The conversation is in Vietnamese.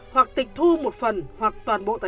hoặc tịch thu một phần hoặc toàn bộ tài sản